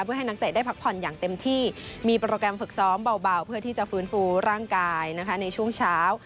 เพื่อให้นักเตะได้พักผ่อนอย่างเต็มที่มีโปรแกรมฝึกซ้อมเบาเพื่อที่จะฟื้นฟูร่างกายในช่วงเช้า